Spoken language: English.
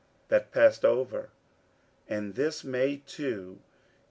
That pass'd over, and this may, too!